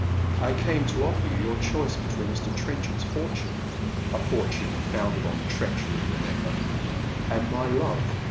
I came to offer you your choice between Mr. Trenchard's fortune i— a fortune founded on treachery, remember — and my love.